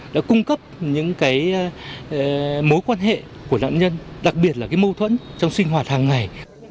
đã cung cấp những mối quan hệ của nạn nhân đặc biệt là mâu thuẫn trong sinh hoạt hàng ngày